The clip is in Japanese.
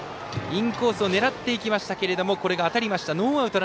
インコースを狙っていきましたけれどもこれが当たりました。